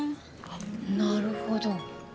なるほど。